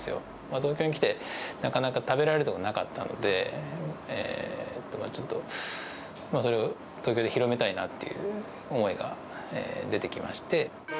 東京に来て、なかなか食べられるところがなかったんで、ちょっとそれを東京で広めたいなという思いが出てきまして。